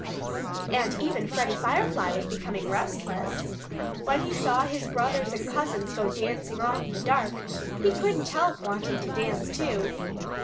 And even Freddie Firefly was becoming restless. When he saw his brothers and cousins go dancing off in the dark he couldn't help wanting to dance too.